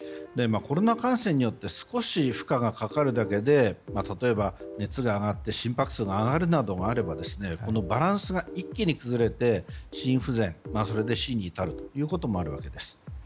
コロナ感染によって少し負荷がかかるだけで例えば、熱が上がって心拍数が上がるということもあればこのバランスが一気に崩れて心不全、それで死に至ることもあるわけです。